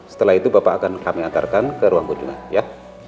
setelah itu bapak akan kami antarkan ke ruang kunjungan ya